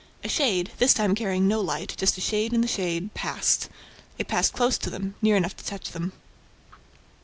A shade, this time carrying no light, just a shade in the shade, passed. It passed close to them, near enough to touch them.